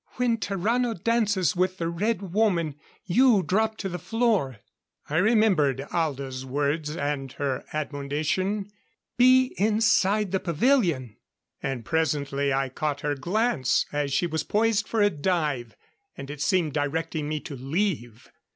"When Tarrano dances with the Red Woman, you drop to the floor." I remembered Alda's words and her admonition, "Be inside the pavilion." And presently I caught her glance as she was poised for a dive and it seemed directing me to leave.